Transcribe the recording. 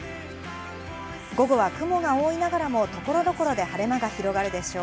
午後は雲が多いながらも、ところどころで晴れ間が広がるでしょう。